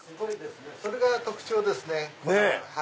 それが特徴ですね。